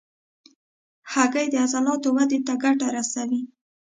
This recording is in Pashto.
هګۍ د عضلاتو ودې ته ګټه رسوي.